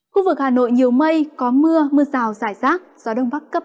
khu vực hà nội nhiều mây có mưa mưa rào rải rác gió đông bắc cấp hai ba